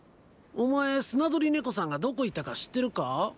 お前スナドリネコさんがどこ行ったか知ってるか？